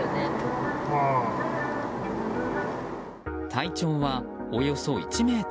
体長はおよそ１ｍ。